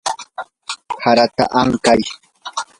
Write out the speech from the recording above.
harata ankay.